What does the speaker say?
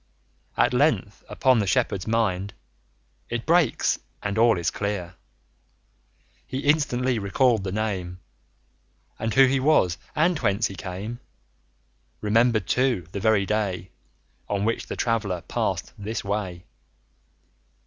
At length upon the Shepherd's mind It breaks, and all is clear: 45 He instantly recalled the name, And who he was, and whence he came; Remembered, too, the very day On which the Traveller passed this way.